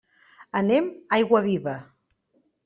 Anem a Aiguaviva.